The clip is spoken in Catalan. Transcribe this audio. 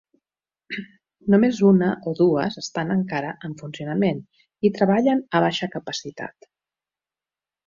Només una o dues estan encara en funcionament, i treballen a baixa capacitat.